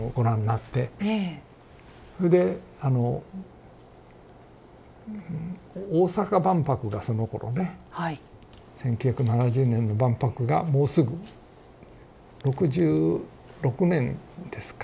それで大阪万博がそのころね１９７０年の万博がもうすぐ６６年ですか